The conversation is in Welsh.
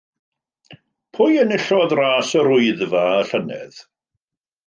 Pwy enillodd Ras yr Wyddfa y llynedd?